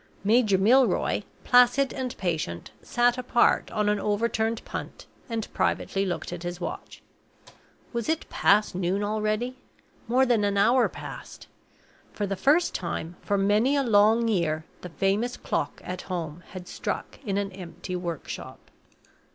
Major Milroy, placid and patient, sat apart on an overturned punt, and privately looked at his watch. Was it past noon already? More than an hour past. For the first time, for many a long year, the famous clock at home had struck in an empty workshop.